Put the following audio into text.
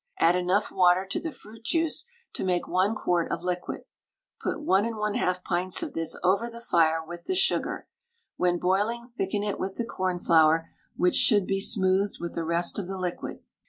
Add enough water to the fruit juice to make 1 quart of liquid. Put 1 1/2 pints of this over the fire with the sugar. When boiling thicken it with the cornflour, which should be smoothed with the rest of the liquid.